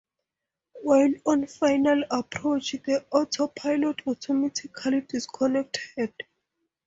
While on final approach, the autopilot automatically disconnected.